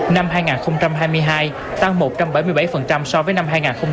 năm hai nghìn hai mươi hai tăng một trăm bảy mươi bảy so với năm hai nghìn hai mươi hai